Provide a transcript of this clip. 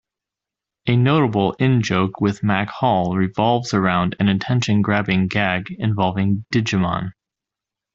A notable in-joke with Mac Hall revolves around an attention grabbing gag involving "Digimon".